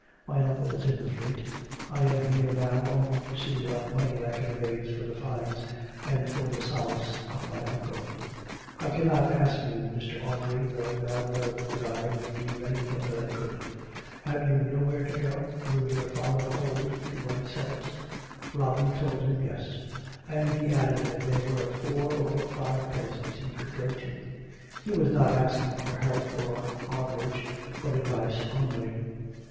My uncle is in the Fleet. I am here now only to see what money I can rais'e for the fines and for the solace of my uncle. I cannot ask you, Mr. Audrey, though God knows that I would do anything that I could. Have you nowhere to go? Will your father hold to what he says ?" Robin told him yes; and he added that there were four or five places he could go to. He was not asking for help or harbourage, but advice only.